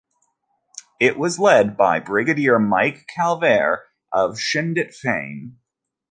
It was led by Brigadier Mike Calvert of Chindit fame.